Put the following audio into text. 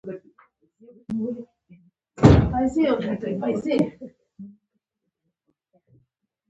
نمک د افغانستان د پوهنې نصاب کې شامل دي.